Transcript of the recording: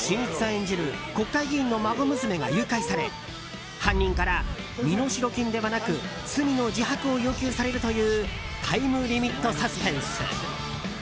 演じる国会議員の孫娘が誘拐され犯人から身代金ではなく罪の自白を要求されるというタイムリミットサスペンス。